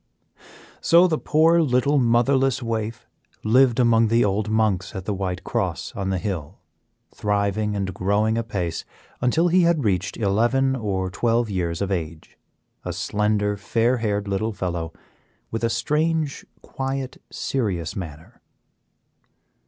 So the poor, little, motherless waif lived among the old monks at the White Cross on the hill, thriving and growing apace until he had reached eleven or twelve years of age; a slender, fair haired little fellow, with a strange, quiet serious manner.